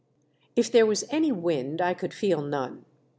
If there was any wind I could feel none.